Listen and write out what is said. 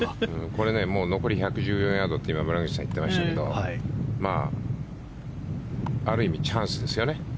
これねもう残り１６４ヤードと今、村口さんが言っていましたけどある意味チャンスですよね。